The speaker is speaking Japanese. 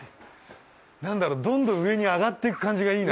なんだろどんどん上に上がっていく感じがいいな。